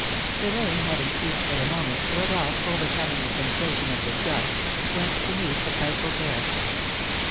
The rain having ceased for the moment, Rodolph, overcoming a sensation of disgust, went to meet the frightful pair.